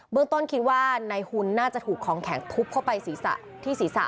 เมืองต้นคิดว่านายหุ่นน่าจะถูกของแข็งทุบเข้าไปศีรษะที่ศีรษะ